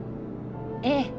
ええ。